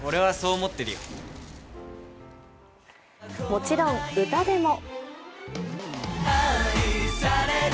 もちろん歌でも。